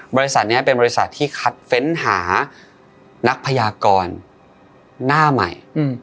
บริษัทนี้เป็นบริษัทที่คัดเฟ้นหานักพยากรหน้าใหม่